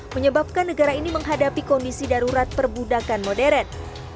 menyebabkan negara ini menghadapi kondisi darurat perbudakan modern